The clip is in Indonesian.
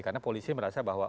karena polisi merasa bahwa